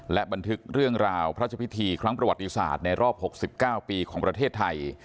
และบันทึกเรื่องราวพระราชพิธีครั้งประวัติอยุศาสตร์ในรอบหกสิบเก้าปีของประเทศไทย